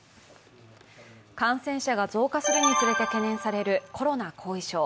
感染者が増加するにつれて懸念されるコロナ後遺症。